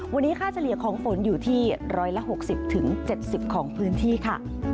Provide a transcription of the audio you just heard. วันนี้ค่าเฉลี่ยของฝนอยู่ที่๑๖๐๗๐ของพื้นที่ค่ะ